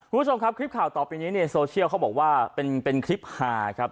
คุณผู้ชมครับคลิปข่าวต่อไปนี้เนี่ยโซเชียลเขาบอกว่าเป็นคลิปหาครับ